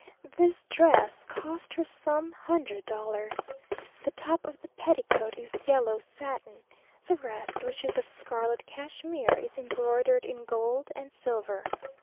This dress cost her some hundred dollars. The top of the petticoat is yellow satin; the rest, which is of scarlet cashmere, is embroidered in gold and silver.